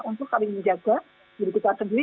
untuk saling menjaga diri kita sendiri